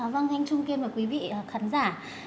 vâng anh trung kim và quý vị khán giả